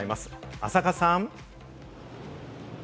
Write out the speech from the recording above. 浅賀さん。